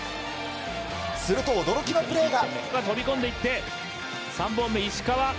すると驚きのプレーが。